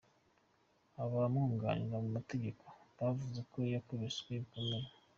Abamwunganira mu mategeko bavuze ko yakubiswe bikomeye.